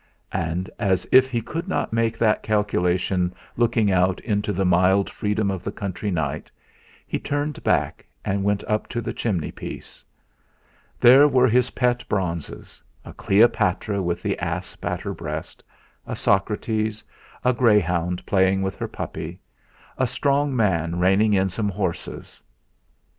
And, as if he could not make that calculation looking out into the mild freedom of the country night, he turned back and went up to the chimney piece. There were his pet bronzes a Cleopatra with the asp at her breast; a Socrates; a greyhound playing with her puppy; a strong man reining in some horses.